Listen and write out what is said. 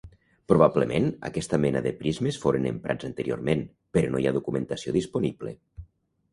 Probablement aquesta mena de prismes foren emprats anteriorment però no hi ha documentació disponible.